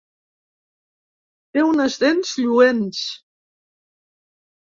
Té unes dents lluents.